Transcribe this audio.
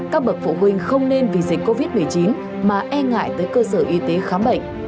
các bậc phụ huynh không nên vì dịch covid một mươi chín mà e ngại tới cơ sở y tế khám bệnh